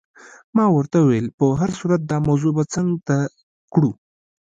ما ورته وویل: په هر صورت دا موضوع به څنګ ته کړو.